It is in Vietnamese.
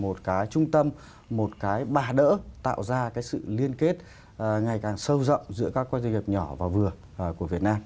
một cái trung tâm một cái bà đỡ tạo ra cái sự liên kết ngày càng sâu rộng giữa các doanh nghiệp nhỏ và vừa của việt nam